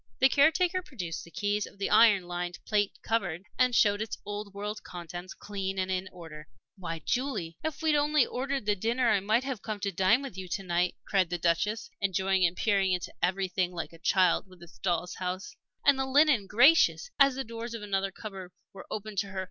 The caretaker produced the keys of the iron lined plate cupboard, and showed its old world contents, clean and in order. "Why, Julie! If we'd only ordered the dinner I might have come to dine with you to night!" cried the Duchess, enjoying and peering into everything like a child with its doll's house. "And the linen gracious!" as the doors of another cupboard were opened to her.